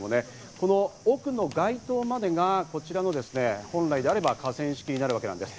この多くの街灯までがこちらは本来であれば河川敷になるわけです。